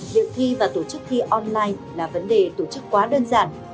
việc thi và tổ chức thi online là vấn đề tổ chức quá đơn giản